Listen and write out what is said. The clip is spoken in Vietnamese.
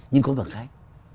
nhưng có một cái